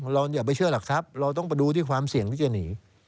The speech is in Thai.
อย่าไปเชื่อหลักทรัพย์เราต้องไปดูที่ความเสี่ยงที่จะหนี